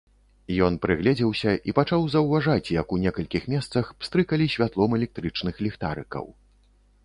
Ён прыгледзеўся і пачаў заўважаць, як у некалькіх месцах пстрыкалі святлом электрычных ліхтарыкаў.